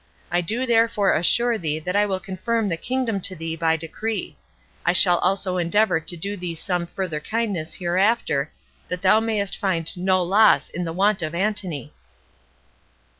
I do therefore assure thee that I will confirm the kingdom to thee by decree: I shall also endeavor to do thee some further kindness hereafter, that thou mayst find no loss in the want of Antony."